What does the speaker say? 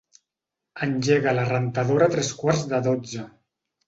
Engega la rentadora a tres quarts de dotze.